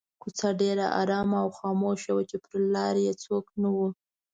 کوڅه ډېره آرامه او خاموشه وه چې پر لاره یې څوک نه وو.